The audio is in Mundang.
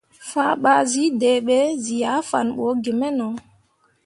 Fah ɓa zǝ deɓe zǝ ah fan bu gimeno.